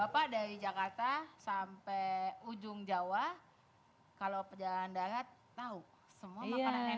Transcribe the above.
bapak dari jakarta sampai ujung jawa kalau perjalanan darat tahu semua makanan yang